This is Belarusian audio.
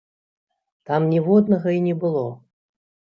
Там ніводнага і не было!